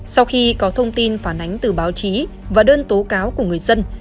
sau khi có thông tin phản ánh từ báo chí và đơn tố cáo của người dân